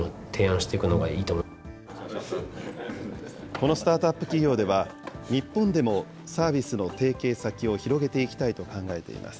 このスタートアップ企業では、日本でもサービスの提携先を広げていきたいと考えています。